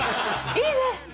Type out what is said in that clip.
いいね。